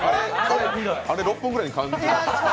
あれ６分ぐらいに感じました。